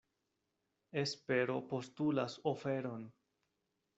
Espero postulas oferon.